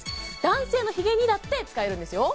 男性のヒゲにだって使えるんですよ